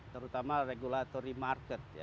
terutama regulatory market